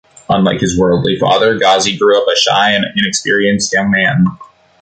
Unlike his worldly father, Ghazi grew up a shy and inexperienced young man.